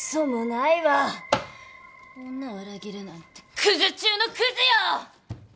女を裏切るなんてクズ中のクズよ！